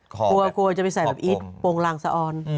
กลัวจะไปใส่แบบปวงลางซ์ออน